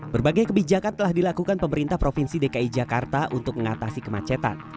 berbagai kebijakan telah dilakukan pemerintah provinsi dki jakarta untuk mengatasi kemacetan